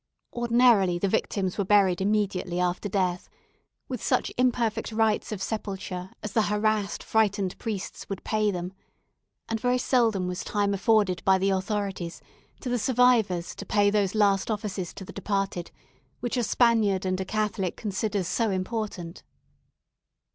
Ordinarily, the victims were buried immediately after death, with such imperfect rites of sepulture as the harassed frightened priests would pay them, and very seldom was time afforded by the authorities to the survivors to pay those last offices to the departed which a Spaniard and a Catholic considers so important.